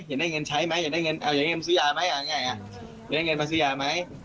อยากได้เงินใช้ไหมอยากได้เงินซื้อยาไหมอยากได้เงินมาซื้อยาไหม